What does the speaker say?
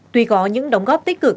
tuy có những đóng góp tích cực